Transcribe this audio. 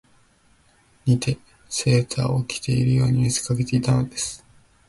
以てセーターを着ているように見せかけていたのです